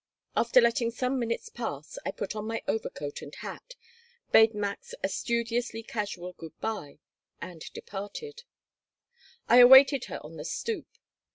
After letting some minutes pass I put on my overcoat and hat, bade Max a studiously casual good by, and departed I awaited her on the stoop.